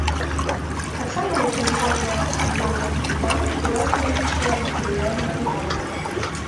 Таксама, як ільготнае жыллёвае крэдытаванне ды розныя іншыя матэрыяльныя выгоды.